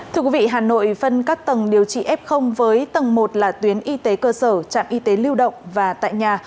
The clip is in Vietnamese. thưa quý vị hà nội phân các tầng điều trị f với tầng một là tuyến y tế cơ sở trạm y tế lưu động và tại nhà